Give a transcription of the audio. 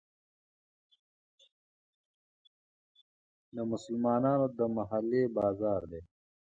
د مسلمانانو د محلې بازار دی.